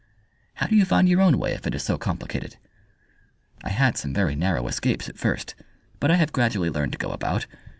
"How do you find your own way if it is so complicated?" "I had some very narrow escapes at first, but I have gradually learned to go about.